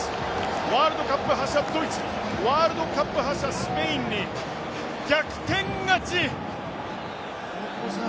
ワールドカップ覇者ドイツにワールドカップ覇者スペインに逆転勝ち。